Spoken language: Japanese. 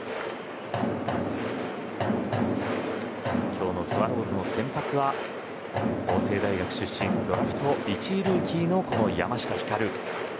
今日のスワローズの先発は法政大学出身ドラフト１位ルーキーの山下輝。